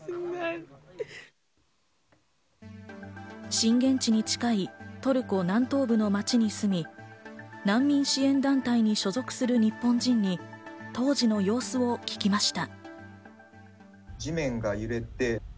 震源地に近いトルコ南東部の街に住み、難民支援団体に所属する日本人に当時の様子を聞きました。